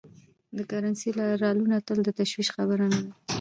د کرنسۍ رالوېدنه تل د تشویش خبره نه ده.